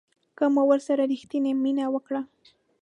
که مو ورسره ریښتینې مینه وکړه